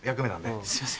すいません。